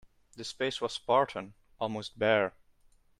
The space was spartan, almost bare.